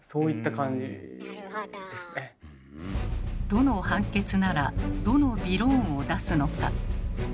どの判決ならどのびろーんを出すのか。